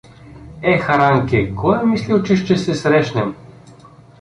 — Ех, Ранке, кой е мислил, че ще се срещнем.